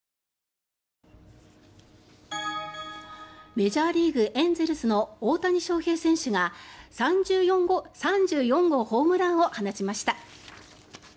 メジャーリーグ、エンゼルスの大谷翔平選手が３４号ホームランを放ちました。